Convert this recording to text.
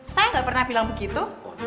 saya nggak pernah bilang begitu